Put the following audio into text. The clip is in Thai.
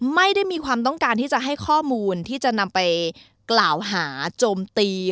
ไม่ได้มีความต้องการที่จะให้ข้อมูลที่จะนำไปกล่าวหาโจมตี